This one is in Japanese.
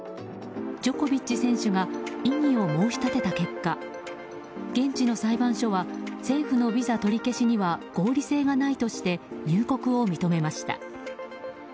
ジョコビッチ選手が異議を申し立てた結果現地の裁判所は政府のビザ取り消しには合理性がないとして入国を認めました。